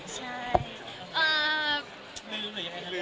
ใช่